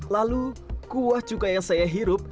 lalu kuah cukai yang saya hirup